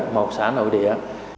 một xã nội địa